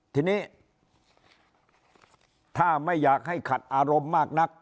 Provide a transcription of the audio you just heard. ทีนี้ถ้าไม่อยากให้ขัดอารมณ์มากนัก